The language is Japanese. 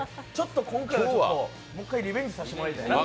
今回はもう一回リベンジさせてもらいたい。